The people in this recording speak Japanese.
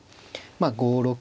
まあ５六。